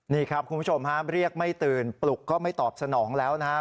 นี่ครับคุณผู้ชมฮะเรียกไม่ตื่นปลุกก็ไม่ตอบสนองแล้วนะครับ